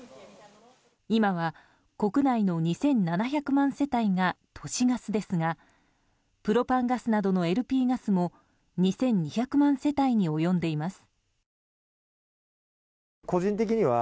今は、国内の２７００万世帯が都市ガスですがプロパンガスなどのＬＰガスも２２００万世帯に及んでいます。